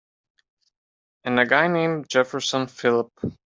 And a guy named Jefferson Phillip.